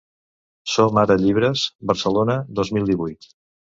Som-Ara llibres, Barcelona, dos mil divuit.